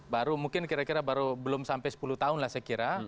baru mungkin kira kira baru belum sampai sepuluh tahun lah saya kira